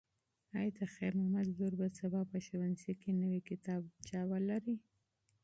ایا د خیر محمد لور به سبا په ښوونځي کې نوې کتابچه ولري؟